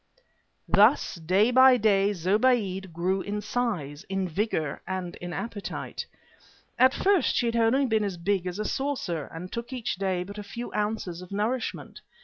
Thus day by day Zobéide grew in size, in vigor and in appetite. At first she had only been as big as a saucer, and took each day but a few ounces of nourishment.